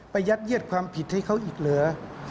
ยัดเยียดความผิดให้เขาอีกเหลือ